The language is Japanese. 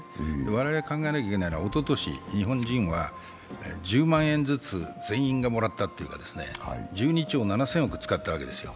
我々考えなきゃいけないのは、おととし、日本人は１０万円ずつ全員がもらったというか、１２兆７０００億使ったわけですよ。